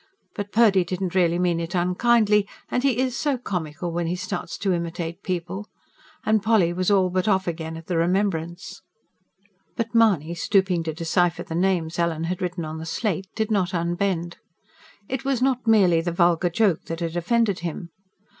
But Purdy didn't really mean it unkindly; and he IS so comical when he starts to imitate people." And Polly was all but off again, at the remembrance. But Mahony, stooping to decipher the names Ellen had written on the slate, did not unbend. It was not merely the vulgar joke that had offended him.